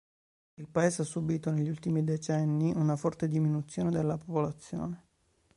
Il paese ha subito negli ultimi decenni una forte diminuzione della popolazione.